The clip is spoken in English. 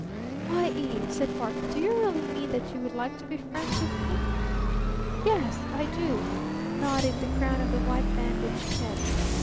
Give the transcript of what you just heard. "Why, Eve!" said Barton, "do you really mean that you would like to be friends with me?" "Yes I do," nodded the crown of the white bandaged head.